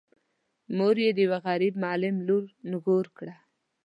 مور یې د یوه غريب معلم لور نږور کړه.